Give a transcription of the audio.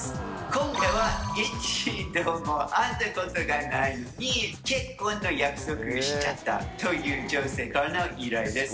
今回は、一度も会ったことがないのに、結婚の約束しちゃったという女性からの依頼です。